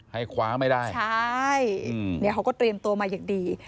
ให้ขว้าไม่ได้